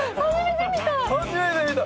初めて見た！